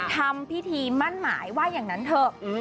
ทำพิธีมั่นหมายว่าอย่างนั้นเถอะ